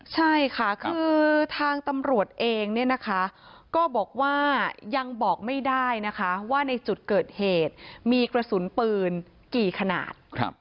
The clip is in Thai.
ใช่ค่ะคือทางตำรวจเองเนี่ยนะคะก็บอกว่ายังบอกไม่ได้นะคะว่าในจุดเกิดเหตุมีกระสุนปืนกี่ขนาด